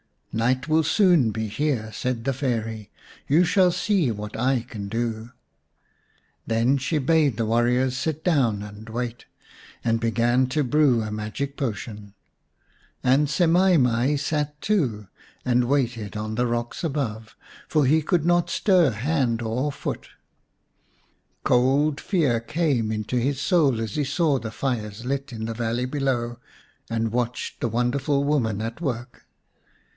" Night will soon be here," said the Fairy. " You shall see what I can do." Then she bade the warriors sit down and wait, and began to brew a magic potion. And Semai mai sat too and waited on the rocks above, for he could not stir hand or foot. Cold 167 The Story of Semai mai xrv fear came into his soul as he saw the fires lit in the valley below, and watched the wonderful woman at work.